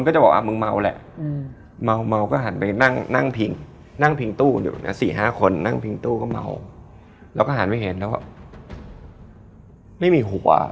ก็คือเป็นคนพูดเล่นกลมดี